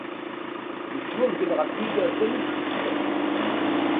Yettwagdel ɣef yigerdan ad keyyfen.